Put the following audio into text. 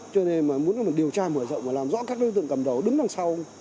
cho nên mà muốn điều tra mở rộng và làm rõ các đối tượng cầm đầu đứng đằng sau